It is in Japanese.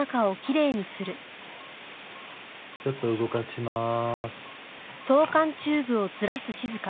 ちょっと動かしまーす。